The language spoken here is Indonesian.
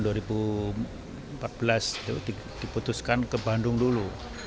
tahun dua ribu empat belas diputuskan ke bandung dulu